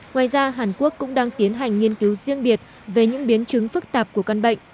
ngoài ra hàn quốc cũng đang tiến hành nghiên cứu riêng biệt về những biến chứng phức tạp của căn bệnh